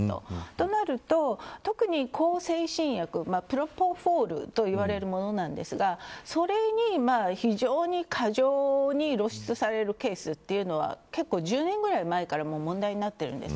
となると、特に向精神薬プロポフォールと言われるものなんですがそれに非常に過剰に露出されるケースというのは１０年ぐらい前から問題になっているんです。